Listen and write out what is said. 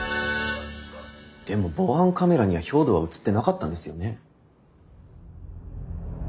でも防犯カメラには兵藤は映ってなかったんですよね？